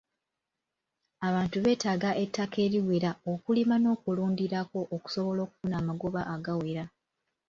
Abantu beetaaga ettaka eriwera okulima n'okulundirako okusobola okufuna amagoba agawera.